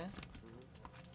nanti aku akan bawa